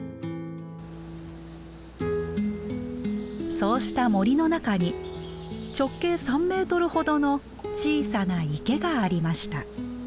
そうした森の中に直径３ｍほどの小さな池がありました。